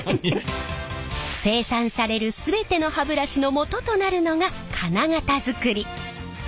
生産される全ての歯ブラシのもととなるのが金型づくり。